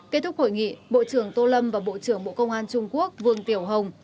kết thúc hội nghị bộ trưởng tô lâm và bộ trưởng bộ công an trung quốc vương tiểu hồng